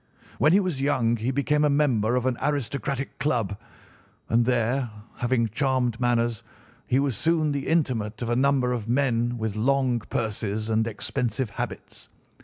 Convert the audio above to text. When he was young he became a member of an aristocratic club, and there, having charming manners, he was soon the intimate of a number of men with long purses and expensive habits.